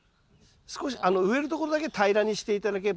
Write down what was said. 少し植えるところだけ平らにして頂ければ。